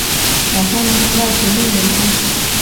养蜂农民要逐蜜源迁徙